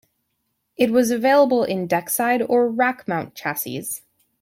It was available in deskside or rackmount chassis.